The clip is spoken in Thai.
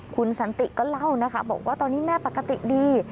คุณสันติก็เล่านะคะบอกว่าตอนนี้แม่ปกติดี